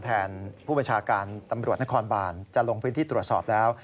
แทนผู้บัญชาการตำรวจนครบานจะลงพื้นที่ตรวจสอบแล้ว